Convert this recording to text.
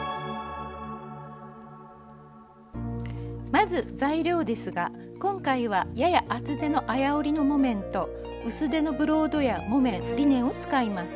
まず材料ですが今回はやや厚手の綾織りの木綿と薄手のブロードや木綿リネンを使います。